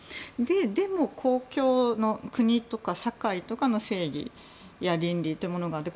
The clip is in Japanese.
でも、公共の国とか社会とかの正義や倫理というものがある。